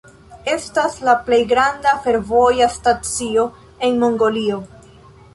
Estas la plej granda fervoja stacio en Mongolio.